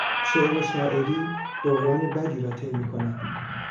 شعر و شاعری دوران بدی را طی میکند.